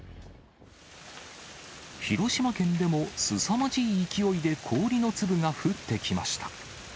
広島県でも、すさまじい勢いで氷の粒が降ってきました。